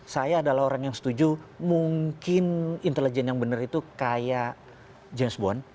saya adalah orang yang setuju mungkin intelijen yang benar itu kayak james bond